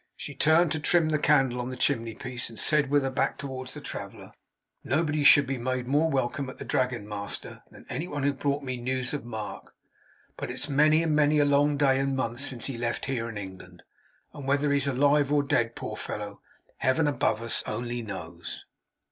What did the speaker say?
She turned to trim the candle on the chimney piece, and said, with her back towards the traveller: 'Nobody should be made more welcome at the Dragon, master, than any one who brought me news of Mark. But it's many and many a long day and month since he left here and England. And whether he's alive or dead, poor fellow, Heaven above us only knows!